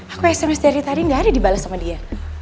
aku eksternate dari tadi gak ada dibalas sama dia